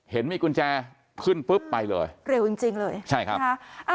เห็นมีกุญแจขึ้นปุ๊บไปเลยเร็วจริงจริงเลยใช่ครับค่ะ